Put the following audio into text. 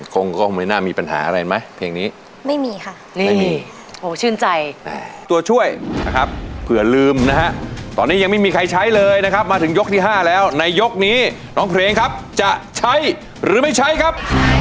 ครับเหมือนคนมอนครับ